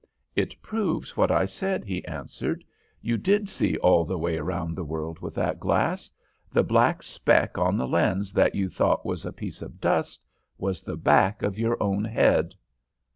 "'It proves what I said,' he answered. 'You did see all the way around the world with that glass. The black spot on the lens that you thought was a piece of dust was the back of your own head.'